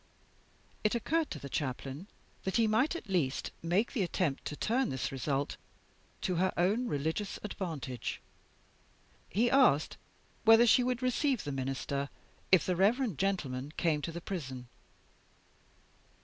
It occurred to the Chaplain that he might at least make the attempt to turn this result to her own religious advantage. He asked whether she would receive the Minister, if the reverend gentleman came to the prison.